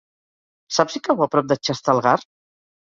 Saps si cau a prop de Xestalgar?